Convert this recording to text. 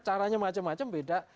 caranya macam macam beda